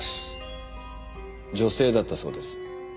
女性だったそうです。